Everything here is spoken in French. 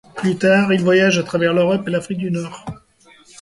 Plus tard, il voyage à travers l'Europe et l'Afrique du Nord.